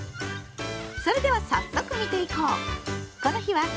それでは早速見ていこう！